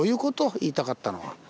言いたかったのは。